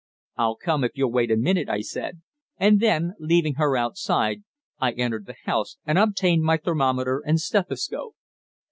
"I'll come if you'll wait a minute," I said, and then, leaving her outside, I entered the house and obtained my thermometer and stethoscope.